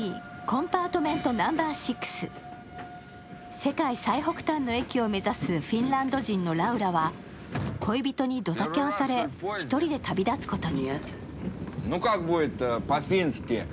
世界最北端の駅を目指すフィンランド人のラウラは恋人にドタキャンされ、１人で旅立つことに。